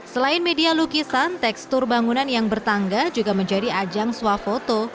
selain media lukisan tekstur bangunan yang bertangga juga menjadi ajang swafoto